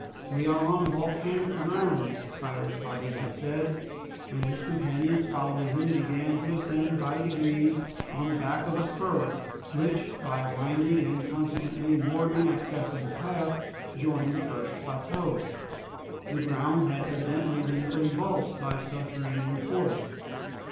"We are on volcanic ground," Cyrus Harding had said, and his companions following him began to ascend by degrees on the back of a spur, which, by a winding and consequently more accessible path, joined the first plateau. The ground had evidently been convulsed by subterranean force.